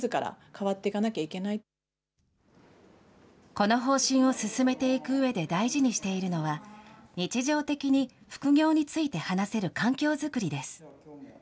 この方針を進めていくうえで大事にしているのは、日常的に副業について話せる環境作りです。